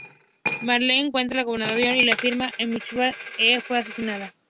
Merle encuentra al Gobernador y le afirma que Michonne fue asesinada.